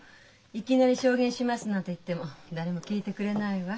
いきなり「証言します」なんて言っても誰も聞いてくれないわ。